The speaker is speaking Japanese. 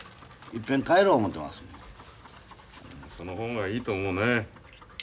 うんその方がいいと思うね。